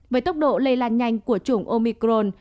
với tốc độ lây lan nhanh của chủng omicron